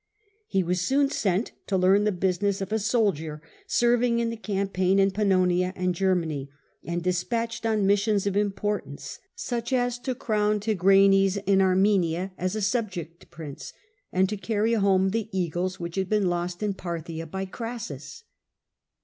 He was soon sent to learn the business of a soldier, serving in Service in the campaign in Pannonia and Germany, and the field dispatched on missions of importance, such as to crown Tigranes in Armenia as a subject prince, and to carry home the eagles which had been lost in Parthia by Crassus.